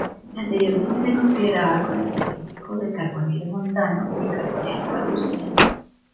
Anteriormente se consideraba conespecífico del carbonero montano y el carbonero palustre.